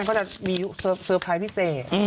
เขาจะมีเซอร์ไพรส์พิเศษ